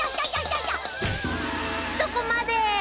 そこまで！